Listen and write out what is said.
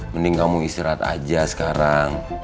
mending kamu istirahat aja sekarang